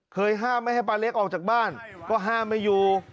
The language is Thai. เคยห้ามให้ป้าเล็กออกจากบ้านก็ห้ามให้อยู่